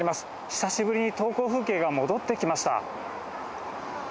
久しぶりに登校風景が戻ってきました。